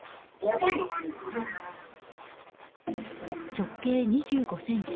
直径２５ｃｍ